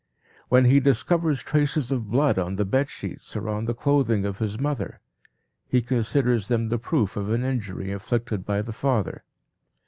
When he discovers traces of blood on the bedsheets or on the clothing of his mother, he considers them the proof of an injury inflicted by the father.